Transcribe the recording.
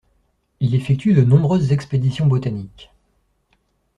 Il effectue de nombreuses expéditions botaniques.